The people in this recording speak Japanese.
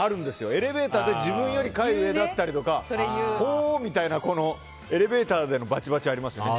エレベーターで自分より階が上だったりとかほう、みたいなエレベーターでのバチバチありますよね。